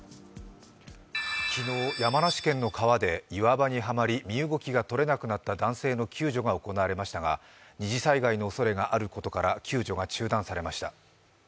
昨日、山梨県の川で岩場にはまり、身動きがとれなくなった男性の救助が行われましたが二次災害のおそれがあることから救助が中断されました。